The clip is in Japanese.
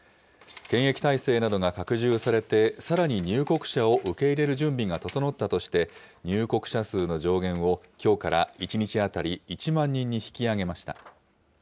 検疫体制などが拡充されて、さらに入国者を受け入れる準備が整ったとして、入国者数の上限をきょうから１日当たり１万人に引き上げました。